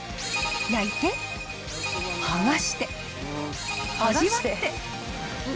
焼いて、剥がして、味わって。